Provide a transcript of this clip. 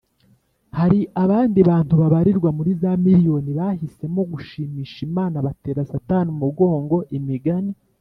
Hari abandi bantu babarirwa muri za miriyoni bahisemo gushimisha Imana batera Satani umugongo Imigani